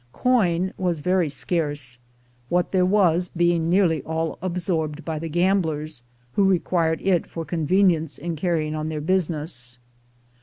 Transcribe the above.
Coin was very scarce, what there was being nearly all absorbed by the gamblers, who required it for con venience in carrying on their business.